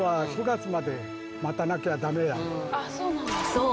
そう！